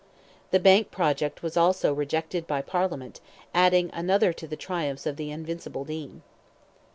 The bank project was also rejected by Parliament, adding another to the triumphs of the invincible Dean.